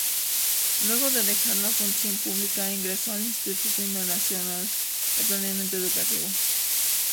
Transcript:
Luego de dejar la función pública, ingresó al Instituto Internacional de Planeamiento Educativo.